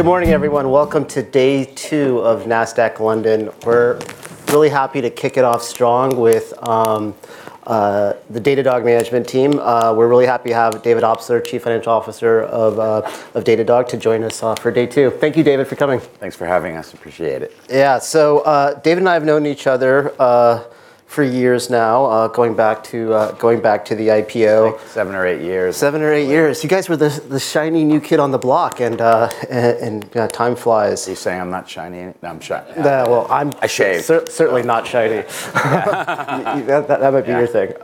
Good morning, everyone. Welcome to Day Two of Nasdaq London. We're really happy to kick it off strong with the Datadog Management Team. We're really happy to have David Obstler, Chief Financial Officer of Datadog, to join us for Day Two. Thank you, David, for coming. Thanks for having us. Appreciate it. Yeah. So, David and I have known each other for years now, going back to the IPO. Seven or eight years. Seven or eight years. You guys were the shiny new kid on the block, and time flies. Are you saying I'm not shiny? No, I'm shiny. I'm certainly not shiny. That might be your thing,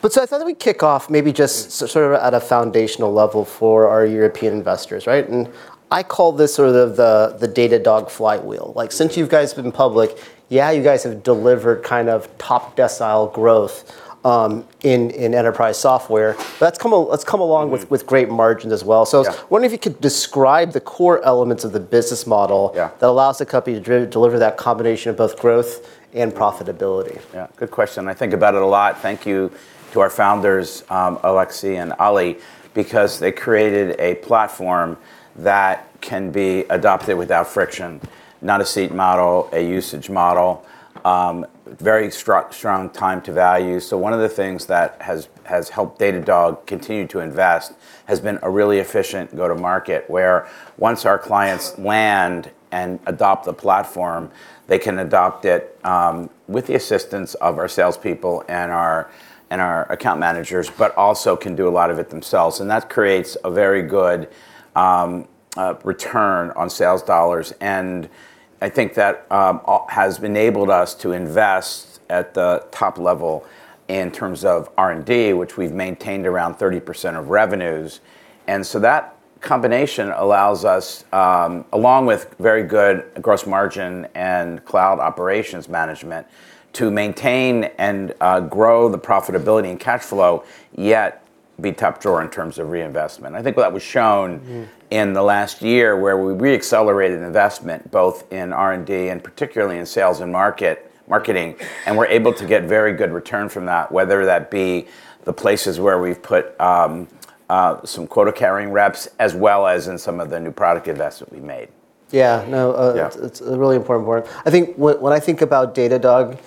but so I thought that we'd kick off maybe just sort of at a foundational level for our European investors, right, and I call this sort of the Datadog flywheel. Like, since you guys have been public, yeah, you guys have delivered kind of top-decile growth in enterprise software, but that's come along with great margins as well, so I was wondering if you could describe the core elements of the business model that allows a company to deliver that combination of both growth and profitability. Yeah. Good question. I think about it a lot. Thank you to our founders, Alexis and Oli, because they created a platform that can be adopted without friction, not a seat model, a usage model, very strong, strong time to value, so one of the things that has helped Datadog continue to invest has been a really efficient go-to-market where once our clients land and adopt the platform, they can adopt it with the assistance of our salespeople and our account managers, but also can do a lot of it themselves, and that creates a very good return on sales dollars, and I think that has enabled us to invest at the top level in terms of R&D, which we've maintained around 30% of revenues. And so that combination allows us along with very good gross margin and cloud operations management to maintain and grow the profitability and cash flow, yet be top drawer in terms of reinvestment. I think that was shown in the last year where we re-accelerated investment both in R&D and particularly in sales and marketing. And we're able to get very good return from that, whether that be the places where we've put some quota-carrying reps, as well as in some of the new product investment we've made. Yeah. No, it's a really important point. I think when I think about Datadog,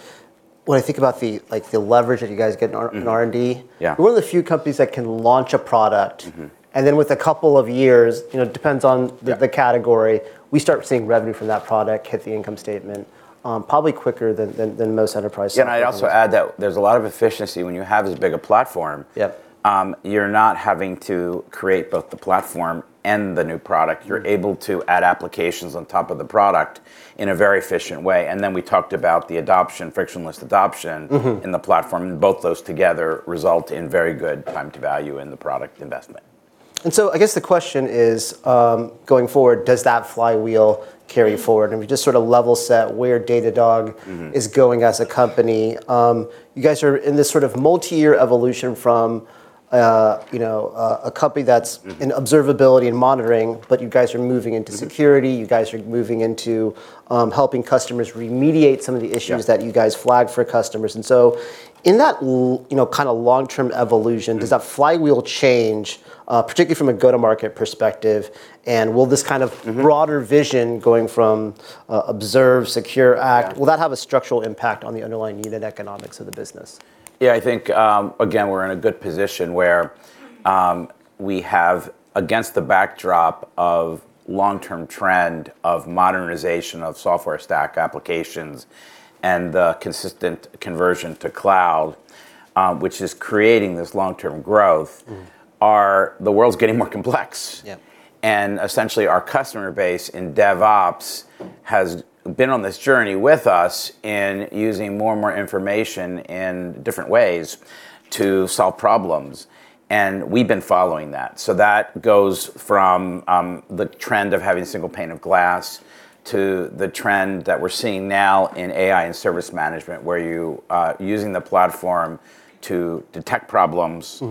when I think about the, like, the leverage that you guys get in R&D, we're one of the few companies that can launch a product and then with a couple of years, you know, it depends on the category, we start seeing revenue from that product hit the income statement, probably quicker than most enterprises. I'd also add that there's a lot of efficiency when you have as big a platform. Yep. You're not having to create both the platform and the new product. You're able to add applications on top of the product in a very efficient way, and then we talked about the adoption, frictionless adoption in the platform, and both those together result in very good time to value in the product investment. And so I guess the question is, going forward, does that flywheel carry forward? And we just sort of level set where Datadog is going as a company. You guys are in this sort of multi-year evolution from, you know, a company that's in observability and monitoring, but you guys are moving into security. You guys are moving into, helping customers remediate some of the issues that you guys flag for customers. And so in that, you know, kind of long-term evolution, does that flywheel change, particularly from a go-to-market perspective? And will this kind of broader vision going from, observe, secure, act, will that have a structural impact on the underlying unit economics of the business? Yeah, I think, again, we're in a good position where we have, against the backdrop of long-term trend of modernization of software stack applications and the consistent conversion to cloud, which is creating this long-term growth. The world's getting more complex. Yeah. And essentially our customer base in DevOps has been on this journey with us in using more and more information in different ways to solve problems. And we've been following that. So that goes from the trend of having a single pane of glass to the trend that we're seeing now in AI and service management, where you, using the platform to detect problems,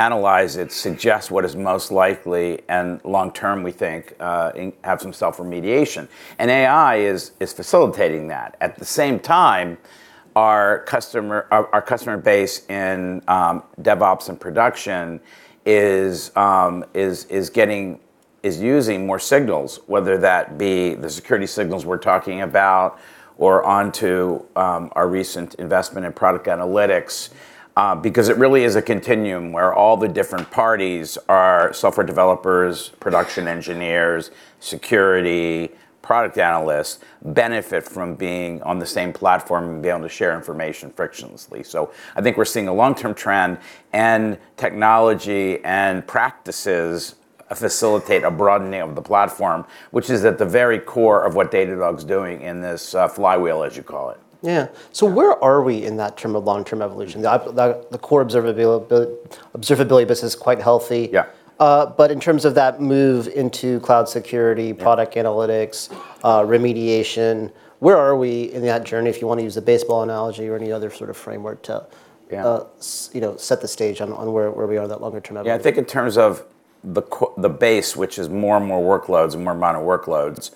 analyze it, suggest what is most likely, and long-term, we think, have some self-remediation. And AI is facilitating that. At the same time, our customer base in DevOps and production is using more signals, whether that be the security signals we're talking about or onto our recent investment in product analytics, because it really is a continuum where all the different parties are software developers, production engineers, security, product analysts benefit from being on the same platform and being able to share information frictionlessly. So I think we're seeing a long-term trend and technology and practices facilitate a broadening of the platform, which is at the very core of what Datadog's doing in this flywheel, as you call it. Yeah. So where are we in that term of long-term evolution? The core observability business is quite healthy. Yeah. But in terms of that move into cloud security, product analytics, remediation, where are we in that journey? If you want to use the baseball analogy or any other sort of framework to, you know, set the stage on where we are in that longer-term evolution. Yeah, I think in terms of the base, which is more and more workloads and more modern workloads,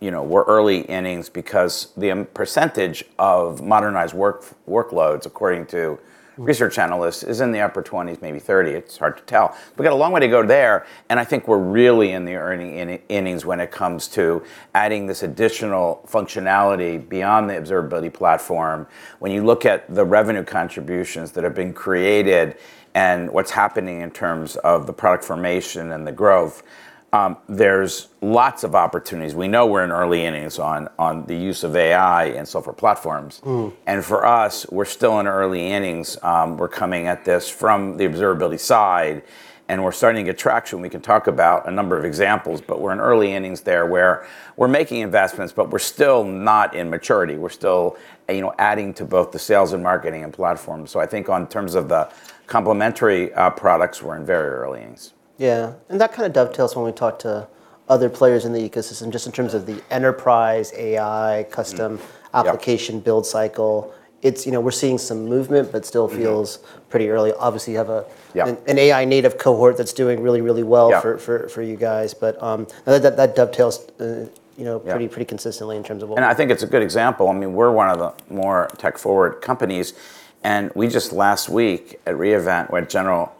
you know, we're early innings because the percentage of modernized workloads, according to research analysts, is in the upper 20s, maybe 30%. It's hard to tell, but we got a long way to go there. And I think we're really in the early innings when it comes to adding this additional functionality beyond the observability platform. When you look at the revenue contributions that have been created and what's happening in terms of the product formation and the growth, there's lots of opportunities. We know we're in early innings on the use of AI and software platforms. And for us, we're still in early innings. We're coming at this from the observability side, and we're starting to get traction. We can talk about a number of examples, but we're in early innings there where we're making investments, but we're still not in maturity. We're still, you know, adding to both the sales and marketing and platform. So I think in terms of the complementary products, we're in very early innings. Yeah. And that kind of dovetails when we talk to other players in the ecosystem, just in terms of the enterprise AI custom application build cycle. It's, you know, we're seeing some movement, but still feels pretty early. Obviously, you have an AI-native cohort that's doing really, really well for you guys. But that dovetails, you know, pretty consistently in terms of what. And I think it's a good example. I mean, we're one of the more tech-forward companies, and we just last week at re:Invent, we had general,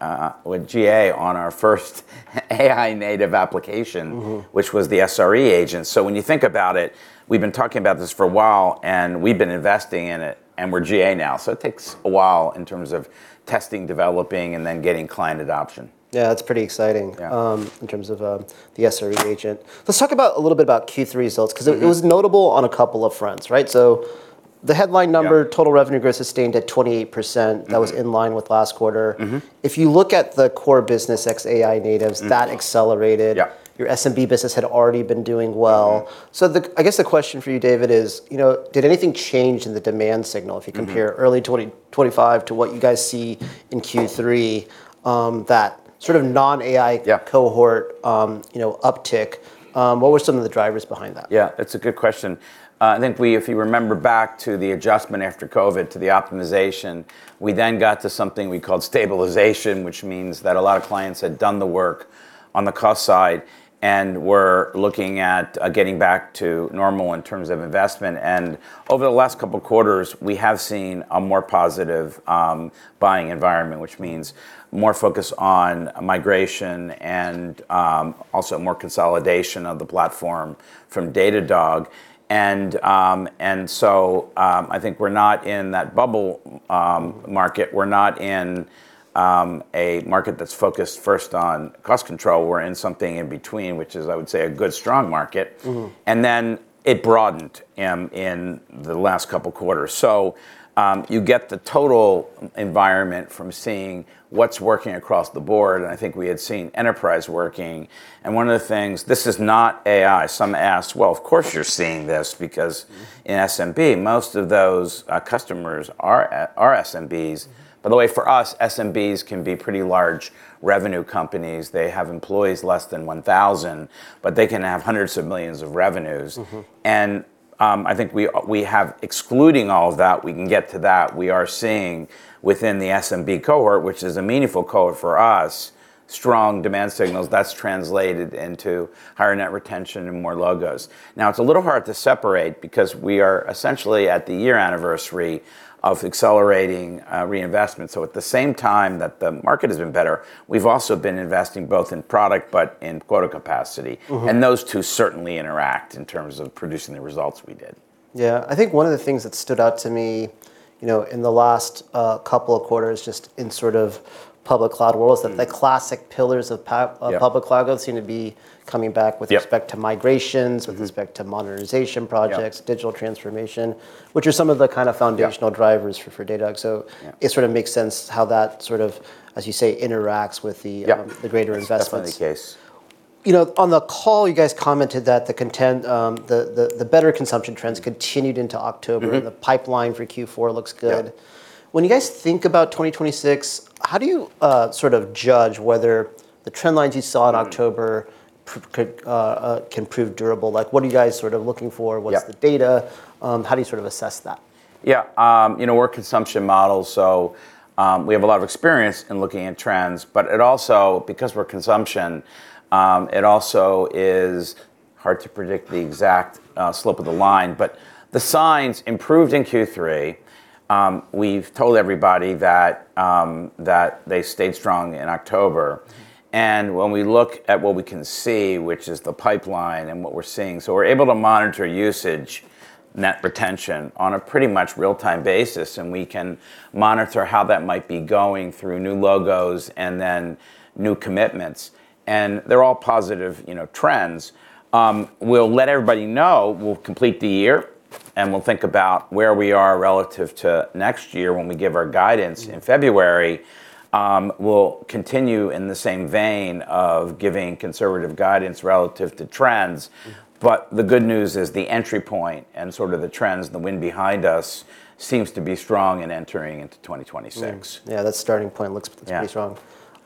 with GA on our first AI-native application, which was the SRE agent. So when you think about it, we've been talking about this for a while, and we've been investing in it, and we're GA now. So it takes a while in terms of testing, developing, and then getting client adoption. Yeah, that's pretty exciting. Yeah. In terms of the SRE agent. Let's talk a little bit about Q3 results, 'cause it was notable on a couple of fronts, right? So the headline number, total revenue growth sustained at 28%. That was in line with last quarter. If you look at the core business, ex-AI-natives, that accelerated. Your SMB business had already been doing well. So, I guess, the question for you, David, is, you know, did anything change in the demand signal if you compare early 2025 to what you guys see in Q3, that sort of non-AI cohort, you know, uptick? What were some of the drivers behind that? Yeah, that's a good question. I think we, if you remember back to the adjustment after COVID to the optimization, we then got to something we called stabilization, which means that a lot of clients had done the work on the cost side and were looking at getting back to normal in terms of investment, and over the last couple of quarters, we have seen a more positive buying environment, which means more focus on migration and also more consolidation of the platform from Datadog, and so I think we're not in that bubble market. We're not in a market that's focused first on cost control. We're in something in between, which is, I would say, a good strong market, and then it broadened in the last couple of quarters, so you get the total environment from seeing what's working across the board. And I think we had seen enterprise working. And one of the things, this is not AI. Some ask, well, of course you're seeing this, because in SMB most of those customers are SMBs. By the way, for us, SMBs can be pretty large revenue companies. They have employees less than 1,000, but they can have hundreds of millions of revenues. And I think we have, excluding all of that, we can get to that. We are seeing within the SMB cohort, which is a meaningful cohort for us, strong demand signals that's translated into higher net retention and more logos. Now, it's a little hard to separate because we are essentially at the year anniversary of accelerating reinvestment. So at the same time that the market has been better, we've also been investing both in product, but in quota capacity. Those two certainly interact in terms of producing the results we did. Yeah. I think one of the things that stood out to me, you know, in the last couple of quarters, just in sort of public cloud world, is that the classic pillars of public cloud don't seem to be coming back with respect to migrations, with respect to modernization projects, digital transformation, which are some of the kind of foundational drivers for Datadog. So it sort of makes sense how that sort of, as you say, interacts with the greater investments. Definitely the case. You know, on the call, you guys commented that the content, the better consumption trends continued into October and the pipeline for Q4 looks good. When you guys think about 2026, how do you sort of judge whether the trend lines you saw in October could prove durable? Like, what are you guys sort of looking for? What's the data? How do you sort of assess that? Yeah. You know, we're a consumption model, so we have a lot of experience in looking at trends, but it also because we're consumption, it also is hard to predict the exact slope of the line, but the signs improved in Q3. We've told everybody that they stayed strong in October, and when we look at what we can see, which is the pipeline and what we're seeing, so we're able to monitor usage net retention on a pretty much real-time basis, and we can monitor how that might be going through new logos and then new commitments, and they're all positive, you know, trends. We'll let everybody know, we'll complete the year and we'll think about where we are relative to next year when we give our guidance in February. We'll continue in the same vein of giving conservative guidance relative to trends. But the good news is the entry point and sort of the trends and the wind behind us seems to be strong in entering into 2026. Yeah, that starting point looks pretty strong.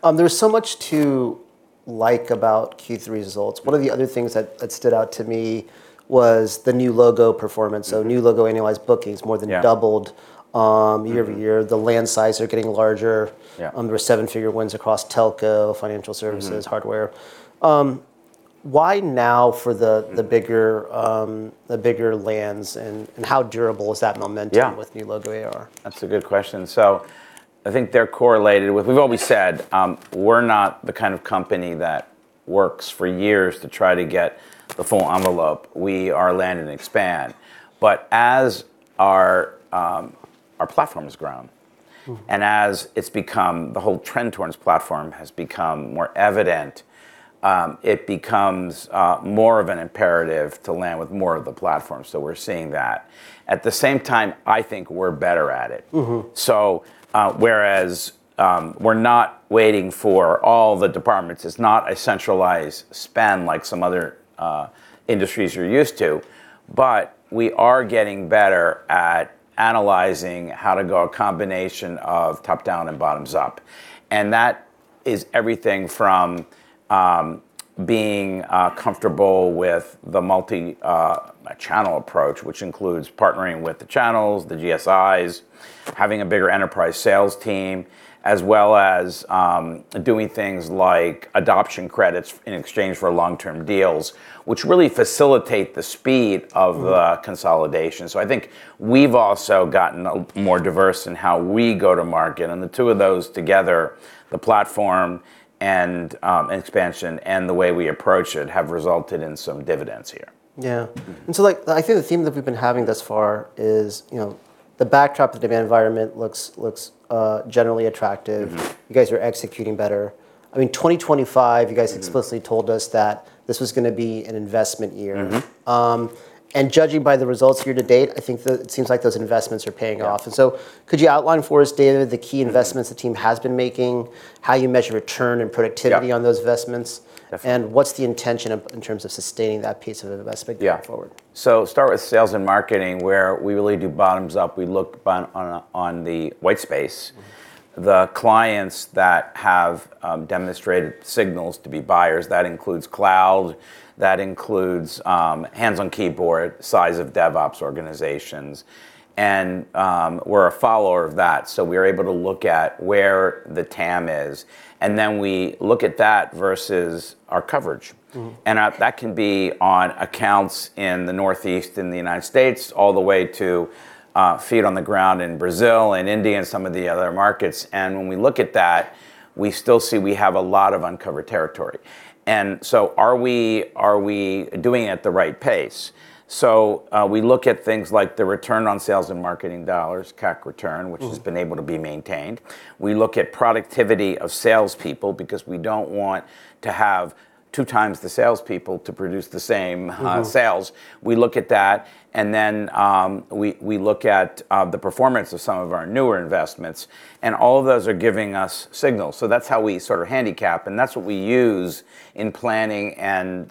There's so much to like about Q3 results. One of the other things that stood out to me was the new logo performance. So new logo annualized bookings more than doubled, year over year. The land size are getting larger. There were seven-figure wins across telco, financial services, hardware. Why now for the bigger lands and how durable is that momentum with new logo AR? That's a good question. So I think they're correlated with, we've always said, we're not the kind of company that works for years to try to get the full envelope. We are land and expand. But as our platform has grown and as it's become, the whole trend towards platform has become more evident, it becomes more of an imperative to land with more of the platform. So we're seeing that. At the same time, I think we're better at it. So whereas we're not waiting for all the departments, it's not a centralized spend like some other industries are used to, but we are getting better at analyzing how to go a combination of top down and bottoms up. And that is everything from being comfortable with the multi-channel approach, which includes partnering with the channels, the GSIs, having a bigger enterprise sales team, as well as doing things like adoption credits in exchange for long-term deals, which really facilitate the speed of the consolidation. So I think we've also gotten more diverse in how we go to market. And the two of those together, the platform and expansion and the way we approach it have resulted in some dividends here. Yeah. And so like, I think the theme that we've been having thus far is, you know, the backdrop, the demand environment looks generally attractive. You guys are executing better. I mean, 2025, you guys explicitly told us that this was going to be an investment year, and judging by the results year to date, I think that it seems like those investments are paying off. And so could you outline for us, David, the key investments the team has been making, how you measure return and productivity on those investments, and what's the intention in terms of sustaining that piece of investment going forward? Yeah. So start with sales and marketing, where we really do bottoms up. We look on, on, on the white space. The clients that have demonstrated signals to be buyers, that includes cloud, that includes hands on keyboard, size of DevOps organizations. And we're a follower of that. So we are able to look at where the TAM is. And then we look at that versus our coverage. And that can be on accounts in the Northeast in the United States all the way to feet on the ground in Brazil and India and some of the other markets. And when we look at that, we still see we have a lot of uncovered territory. And so are we, are we doing it at the right pace? So we look at things like the return on sales and marketing dollars, CAC return, which has been able to be maintained. We look at productivity of salespeople because we don't want to have two times the salespeople to produce the same sales. We look at that. And then we look at the performance of some of our newer investments. And all of those are giving us signals. So that's how we sort of handicap. And that's what we use in planning and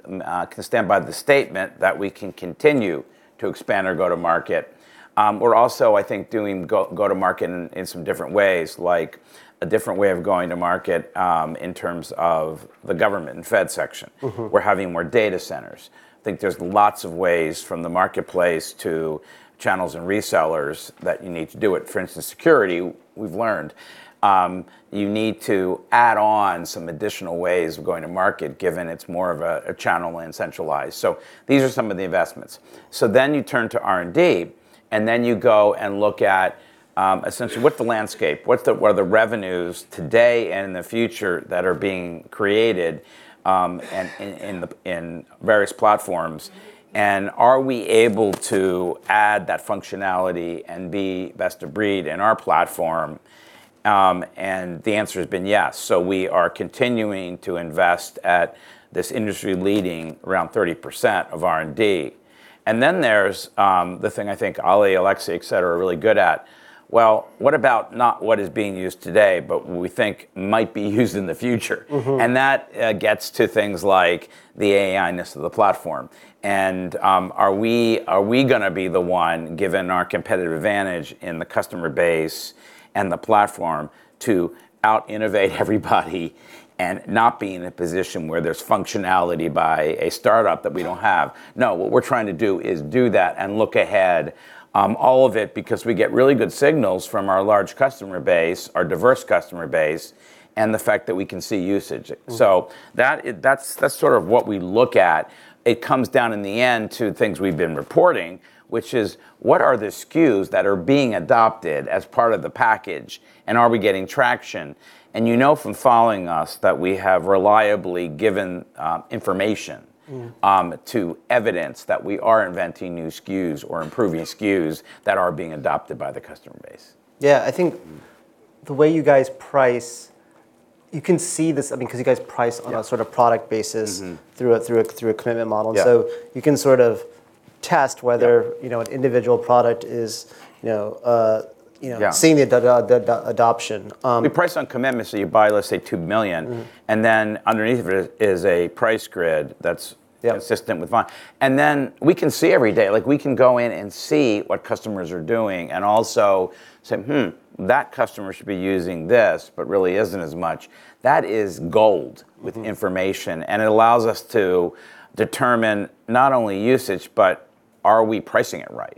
can stand by the statement that we can continue to expand our go-to-market. We're also, I think, doing go-to-market in some different ways, like a different way of going to market, in terms of the government and Fed section. We're having more data centers. I think there's lots of ways from the marketplace to channels and resellers that you need to do it. For instance, security, we've learned, you need to add on some additional ways of going to market, given it's more of a channel and centralized. So these are some of the investments. So then you turn to R&D, and then you go and look at, essentially what's the landscape, what are the revenues today and in the future that are being created, and in various platforms. And are we able to add that functionality and be best of breed in our platform? And the answer has been yes. So we are continuing to invest at this industry-leading around 30% of R&D. And then there's the thing I think Oli, Alexis, et cetera, are really good at. Well, what about not what is being used today, but we think might be used in the future? And that gets to things like the AI-ness of the platform. And are we going to be the one, given our competitive advantage in the customer base and the platform, to out-innovate everybody and not be in a position where there's functionality by a startup that we don't have? No, what we're trying to do is do that and look ahead, all of it, because we get really good signals from our large customer base, our diverse customer base, and the fact that we can see usage. So that's sort of what we look at. It comes down in the end to things we've been reporting, which is what are the SKUs that are being adopted as part of the package? And are we getting traction? And you know from following us that we have reliably given information to evidence that we are inventing new SKUs or improving SKUs that are being adopted by the customer base. Yeah, I think the way you guys price, you can see this, I mean, 'cause you guys price on a sort of product basis through a commitment model. So you can sort of test whether, you know, an individual product is, you know, seeing the adoption. We price on commitment. So you buy, let's say, $2 million. And then underneath of it is a price grid that's consistent with fine. And then we can see every day, like we can go in and see what customers are doing and also say, that customer should be using this, but really isn't as much. That is gold with information. And it allows us to determine not only usage, but are we pricing it right?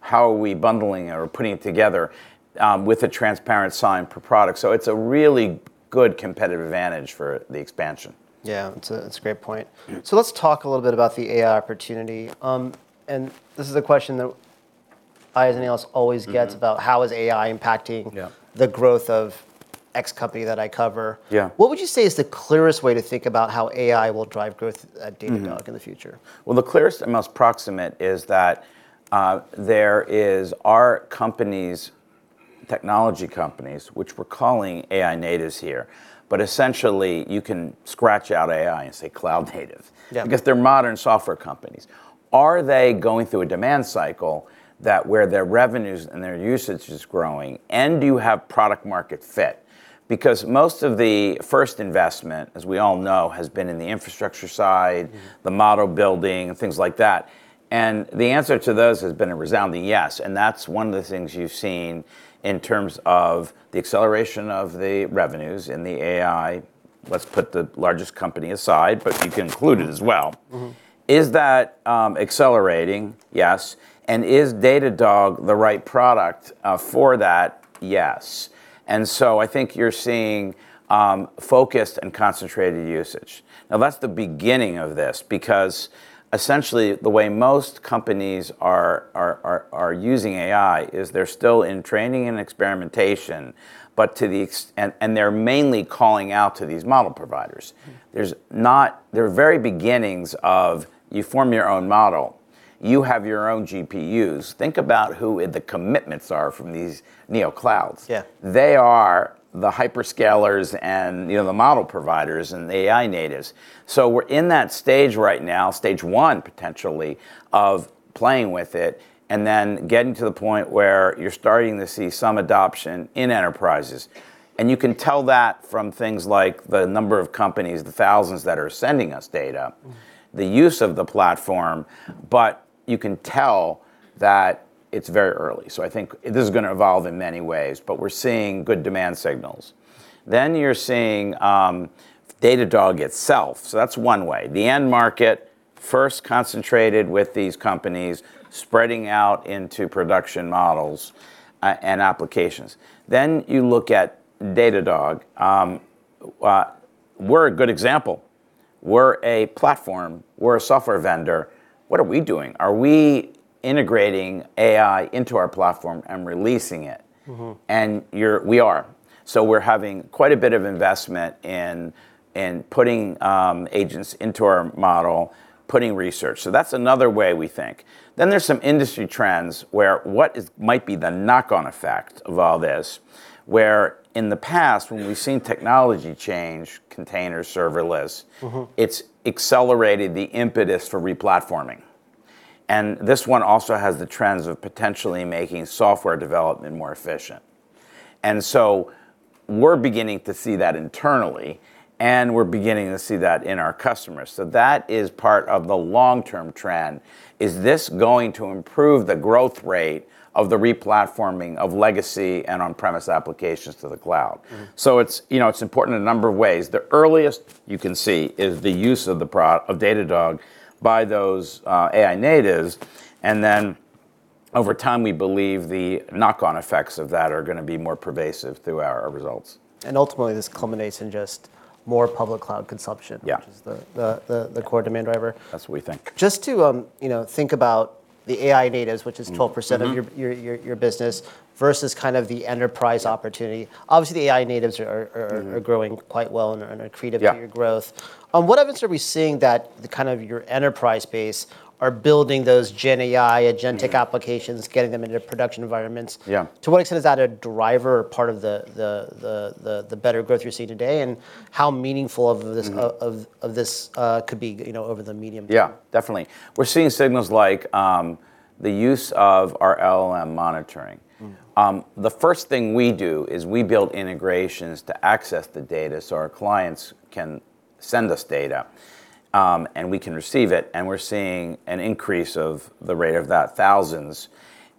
How are we bundling or putting it together, with a transparent pricing per product? So it's a really good competitive advantage for the expansion. Yeah, it's a great point. So let's talk a little bit about the AI opportunity, and this is a question that I, as an analyst, always get about how is AI impacting the growth of X company that I cover. What would you say is the clearest way to think about how AI will drive growth at Datadog in the future? Well, the clearest and most proximate is that there are companies, technology companies, which we're calling AI-natives here, but essentially you can scratch out AI and say cloud native, because they're modern software companies. Are they going through a demand cycle that where their revenues and their usage is growing, and do you have product-market fit? Because most of the first investment, as we all know, has been in the infrastructure side, the model building, things like that, and the answer to those has been a resounding yes, and that's one of the things you've seen in terms of the acceleration of the revenues in the AI. Let's put the largest company aside, but you can include it as well. Is that accelerating? Yes, and is Datadog the right product for that? Yes, and so I think you're seeing focused and concentrated usage. Now, that's the beginning of this, because essentially the way most companies are using AI is they're still in training and experimentation, but to the extent, and they're mainly calling out to these model providers. They're very beginnings of you form your own model, you have your own GPUs. Think about who the commitments are from these neoclouds. They are the hyperscalers and, you know, the model providers and the AI-natives. So we're in that stage right now, stage one potentially of playing with it and then getting to the point where you're starting to see some adoption in enterprises, and you can tell that from things like the number of companies, the thousands that are sending us data, the use of the platform, but you can tell that it's very early. So I think this is going to evolve in many ways, but we're seeing good demand signals. Then you're seeing Datadog itself. So that's one way. The end market first concentrated with these companies spreading out into production models and applications. Then you look at Datadog. We're a good example. We're a platform. We're a software vendor. What are we doing? Are we integrating AI into our platform and releasing it? And you're, we are. So we're having quite a bit of investment in putting agents into our model, putting research. So that's another way we think. Then there's some industry trends where what might be the knock-on effect of all this, where in the past, when we've seen technology change, containers serverless, it's accelerated the impetus for re-platforming. And this one also has the trends of potentially making software development more efficient. And so we're beginning to see that internally and we're beginning to see that in our customers. So that is part of the long-term trend. Is this going to improve the growth rate of the re-platforming of legacy and on-premise applications to the cloud? So it's, you know, it's important in a number of ways. The earliest you can see is the use of the product of Datadog by those AI-natives. And then over time, we believe the knock-on effects of that are going to be more pervasive through our results. And ultimately this culminates in just more public cloud consumption, which is the core demand driver. That's what we think. Just to, you know, think about the AI-natives, which is 12% of your business versus kind of the enterprise opportunity. Obviously, the AI-natives are growing quite well and are creative for your growth. What evidence are we seeing that the kind of your enterprise base are building those Gen AI, agentic applications, getting them into production environments? To what extent is that a driver or part of the better growth you're seeing today and how meaningful of this could be, you know, over the medium term? Yeah, definitely. We're seeing signals like the use of our LLM monitoring. The first thing we do is we build integrations to access the data so our clients can send us data, and we can receive it, and we're seeing an increase of the rate of that thousands,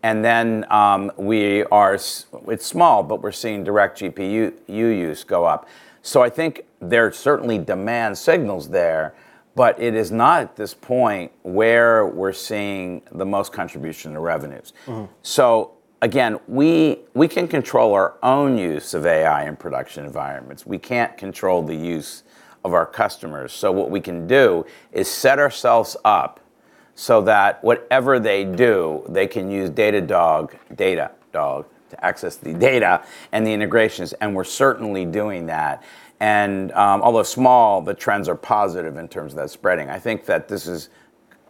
and then it's small, but we're seeing direct GPU use go up, so I think there's certainly demand signals there, but it is not at this point where we're seeing the most contribution to revenues, so again we can control our own use of AI in production environments. We can't control the use of our customers, so what we can do is set ourselves up so that whatever they do, they can use Datadog, Datadog to access the data and the integrations, and we're certainly doing that, and although small, the trends are positive in terms of that spreading. I think that this is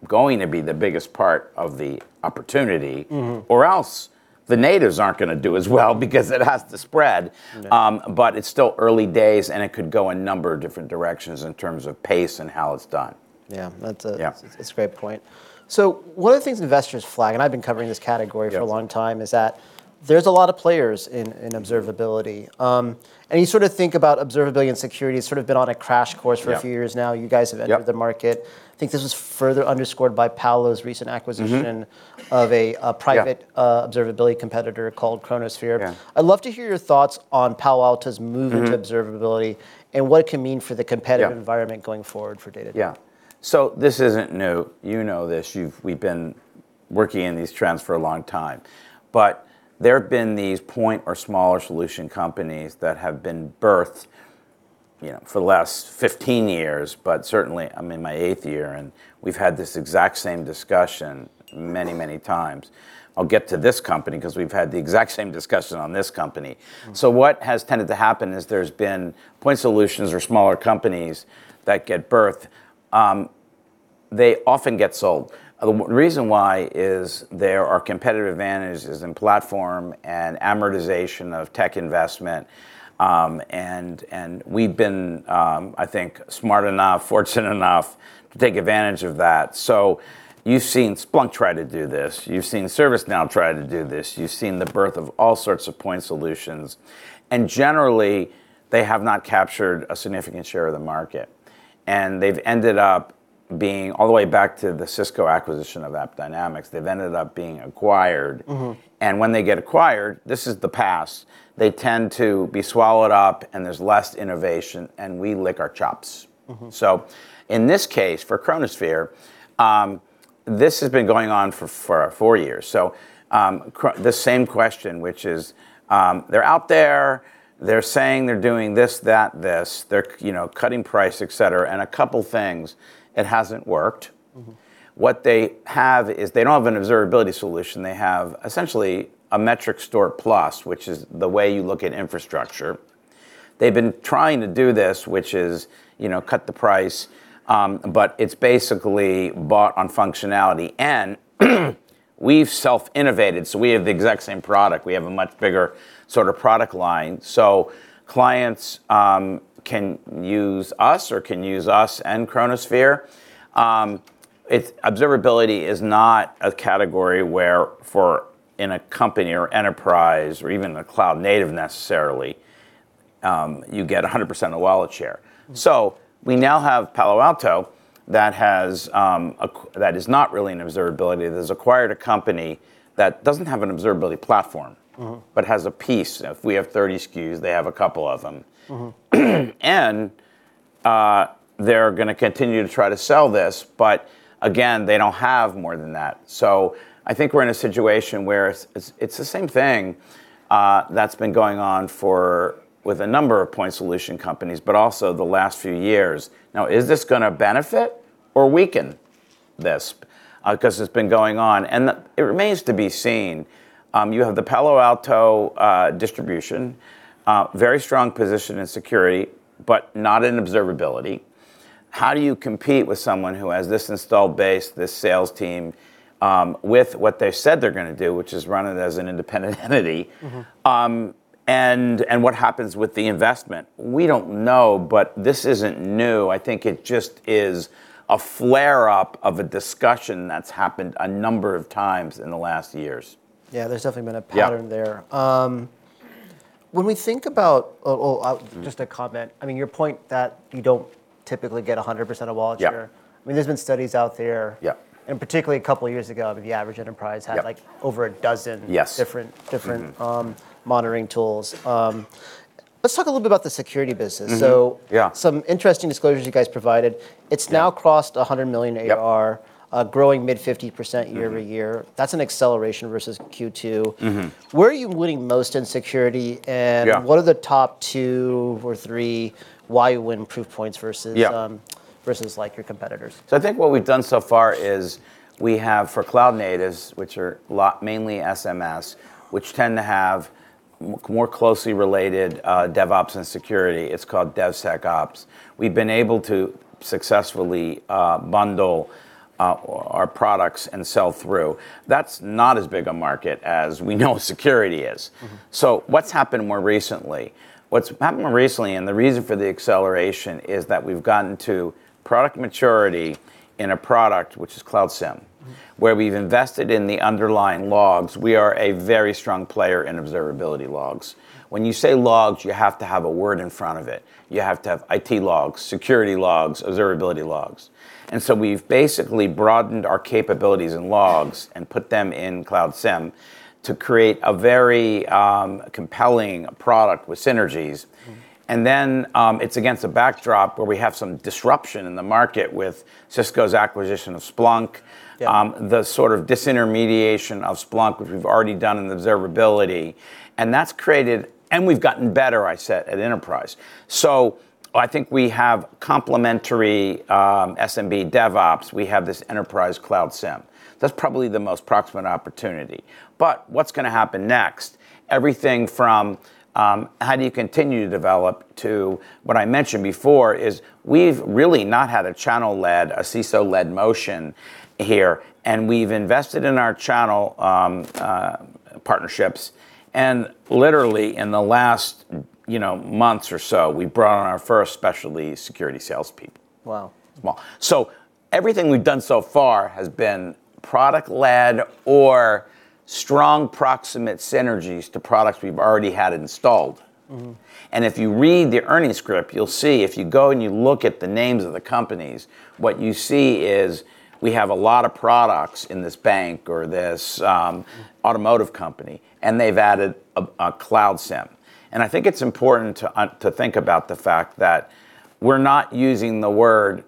going to be the biggest part of the opportunity or else the natives aren't going to do as well because it has to spread, but it's still early days and it could go a number of different directions in terms of pace and how it's done. Yeah, that's a great point. So one of the things investors flag, and I've been covering this category for a long time, is that there's a lot of players in observability, and you sort of think about observability and security has sort of been on a crash course for a few years now. You guys have entered the market. I think this was further underscored by Palo Alto's recent acquisition of a private observability competitor called Chronosphere. I'd love to hear your thoughts on Palo Alto's move into observability and what it can mean for the competitive environment going forward for Datadog. Yeah. So this isn't new. You know this. You've, we've been working in these trends for a long time, but there have been these point or smaller solution companies that have been birthed, you know, for the last 15 years, but certainly, I'm in my eighth year and we've had this exact same discussion many, many times. I'll get to this company 'cause we've had the exact same discussion on this company. So what has tended to happen is there's been point solutions or smaller companies that get birthed. They often get sold. The reason why is there are competitive advantages in platform and amortization of tech investment. And we've been, I think smart enough, fortunate enough to take advantage of that. So you've seen Splunk try to do this. You've seen ServiceNow try to do this. You've seen the birth of all sorts of point solutions. Generally, they have not captured a significant share of the market. They've ended up being all the way back to the Cisco acquisition of AppDynamics. They've ended up being acquired. When they get acquired, this is the past, they tend to be swallowed up and there's less innovation and we lick our chops. In this case for Chronosphere, this has been going on for four years. The same question, which is, they're out there, they're saying they're doing this, that, this, they're, you know, cutting price, et cetera, and a couple things, it hasn't worked. What they have is they don't have an observability solution. They have essentially a metric store plus, which is the way you look at infrastructure. They've been trying to do this, which is, you know, cut the price, but it's basically bought on functionality. We've self-innovated. So we have the exact same product. We have a much bigger sort of product line. So clients can use us or can use us and Chronosphere. It's observability is not a category where for in a company or enterprise or even a cloud native necessarily, you get 100% of wallet share. So we now have Palo Alto that has, that is not really an observability. They've acquired a company that doesn't have an observability platform, but has a piece. If we have 30 SKUs, they have a couple of them. And they're going to continue to try to sell this, but again, they don't have more than that. So I think we're in a situation where it's the same thing, that's been going on for with a number of point solution companies, but also the last few years. Now, is this going to benefit or weaken this, because it's been going on and it remains to be seen. You have the Palo Alto distribution, very strong position in security, but not in observability. How do you compete with someone who has this installed base, this sales team, with what they've said they're going to do, which is run it as an independent entity? And what happens with the investment? We don't know, but this isn't new. I think it just is a flare-up of a discussion that's happened a number of times in the last years. Yeah, there's definitely been a pattern there. When we think about, well, just a comment, I mean, your point that you don't typically get 100% of wallet share. I mean, there's been studies out there, and particularly a couple of years ago, I mean, the average enterprise had like over a dozen different monitoring tools. Let's talk a little bit about the security business. So some interesting disclosures you guys provided. It's now crossed 100 million ARR, growing mid-50% year over year. That's an acceleration versus Q2. Where are you winning most in security and what are the top two or three why you win proof points versus like your competitors? So I think what we've done so far is we have for cloud natives, which are mainly SMS, which tend to have more closely related DevOps and security. It's called DevSecOps. We've been able to successfully bundle our products and sell through. That's not as big a market as we know security is. So what's happened more recently? What's happened more recently, and the reason for the acceleration is that we've gotten to product maturity in a product, which is Cloud SIEM, where we've invested in the underlying logs. We are a very strong player in observability logs. When you say logs, you have to have a word in front of it. You have to have IT logs, security logs, observability logs. And so we've basically broadened our capabilities in logs and put them in Cloud SIEM to create a very compelling product with synergies. And then, it's against a backdrop where we have some disruption in the market with Cisco's acquisition of Splunk, the sort of disintermediation of Splunk, which we've already done in the observability. And that's created, and we've gotten better, I said, at enterprise. So I think we have complementary SMB DevOps. We have this enterprise Cloud SIEM. That's probably the most proximate opportunity. But what's going to happen next? Everything from how do you continue to develop to what I mentioned before is we've really not had a channel led, a CISO led motion here. And we've invested in our channel partnerships. And literally in the last you know months or so, we brought on our first specialty security salespeople. Wow. Small. So everything we've done so far has been product led or strong proximate synergies to products we've already had installed. And if you read the earnings script, you'll see if you go and you look at the names of the companies, what you see is we have a lot of products in this bank or this automotive company, and they've added a Cloud SIEM. And I think it's important to think about the fact that we're not using the word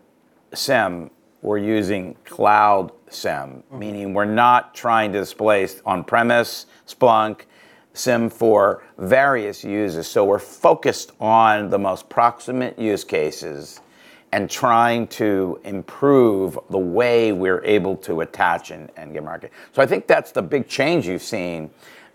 SIEM. We're using Cloud SIEM, meaning we're not trying to displace on-premise Splunk SIEM for various users. So we're focused on the most proximate use cases and trying to improve the way we're able to attach and get market. So I think that's the big change you've seen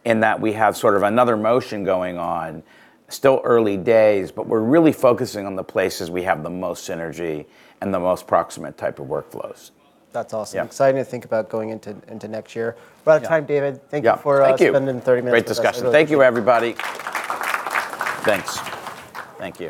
in that we have sort of another motion going on, still early days, but we're really focusing on the places we have the most synergy and the most proximate type of workflows. That's awesome. Exciting to think about going into next year. About time, David. Thank you for spending 30 minutes. Great discussion. Thank you, everybody. Thanks. Thank you.